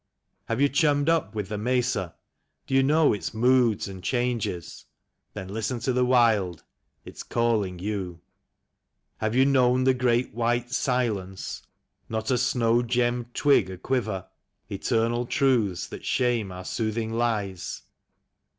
Have you chummed up with the mesa? Do you know its moods and changes ? Then listen to the wild — it's calling you. Have you known the Great White Silence, not a snow gemmed twig aquiver? (Eternal truths that shame our soothing lies.)